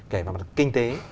kể cả về mặt kinh tế